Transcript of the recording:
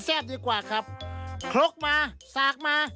สีสันข่าวชาวไทยรัฐมาแล้วครับ